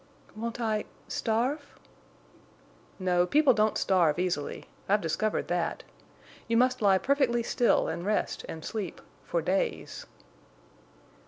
"Won't I—starve?" "No, people don't starve easily. I've discovered that. You must lie perfectly still and rest and sleep—for days."